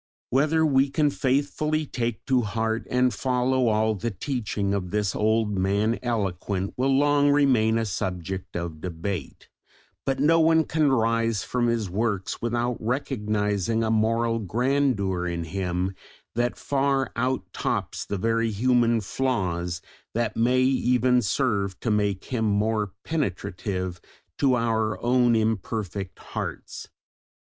Whether we can faithfully take to heart and follow all the teaching of this "old Man eloquent" will long remain a subject of debate, but no one can rise from his works without recognising a moral grandeur in him that far out tops the very human flaws that may even serve to make him more penetrative to our own imperfect hearts.